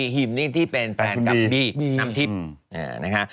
ฮิมนี่ที่เป็นแฟนกับบี้น้ำทิพย์นะคะ